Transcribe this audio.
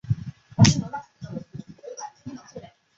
欧洲国家顶级域注册管理机构委员会注册局的联合组织。